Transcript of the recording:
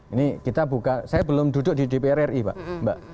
ini kita buka saya belum duduk di dpr ri pak mbak